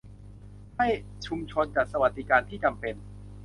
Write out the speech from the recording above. ให้ชุมชนจัดสวัสดิการที่จำเป็น